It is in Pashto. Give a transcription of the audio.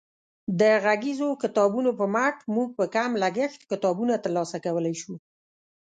د غږیزو کتابونو په مټ موږ په کم لګښت کتابونه ترلاسه کولی شو.